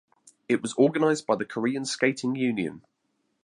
It was organized by the Korean Skating Union.